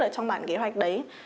ở trong bản kế hoạch đấy